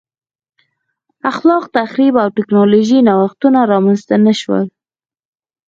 خلاق تخریب او ټکنالوژیکي نوښتونه رامنځته نه شول